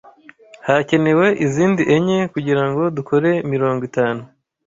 Harakenewe izindi enye kugirango dukore mirongo itanu.